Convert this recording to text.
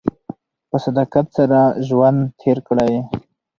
په صداقت سره ژوند تېر کړئ.